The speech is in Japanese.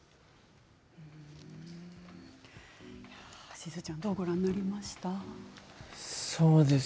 しずちゃんどうご覧になりましたか。